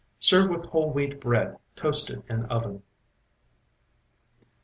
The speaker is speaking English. Serve with whole wheat bread toasted in oven.